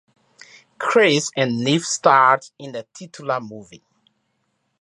Chris and Neef starred in the titular movie.